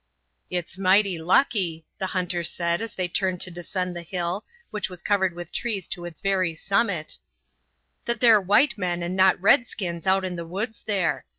"It's mighty lucky," the hunter said as they turned to descend the hill, which was covered with trees to its very summit, "that they're white men and not redskins out in the woods, there.